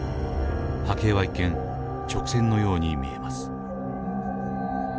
波形は一見直線のように見えます。